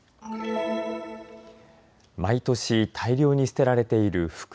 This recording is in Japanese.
毎年、大量に捨てられている服。